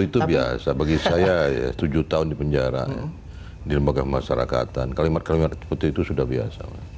itu biasa bagi saya tujuh tahun di penjara di lembaga pemasarakatan kalimat kalimat putih itu sudah biasa